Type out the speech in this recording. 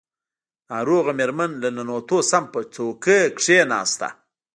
ناروغه مېرمن له ننوتو سم په څوکۍ کښېناسته.